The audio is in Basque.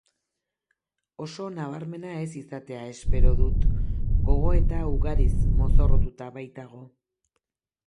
Oso nabarmena ez izatea espero dut, gogoeta ugariz mozorrotuta baitago.